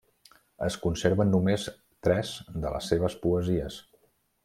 Es conserven només tres de les seves poesies.